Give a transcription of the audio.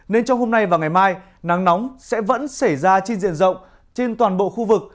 nên trong hôm nay và ngày mai nắng nóng sẽ vẫn xảy ra trên diện rộng trên toàn bộ khu vực